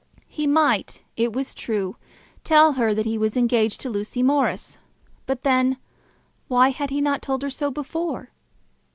He might, it was true, tell her that he was engaged to Lucy Morris; but then why had he not told her so before?